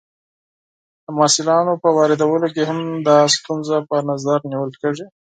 د محصولاتو په واردولو کې هم دا مسئله په نظر نیول کیږي.